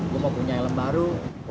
gue mau punya helm baru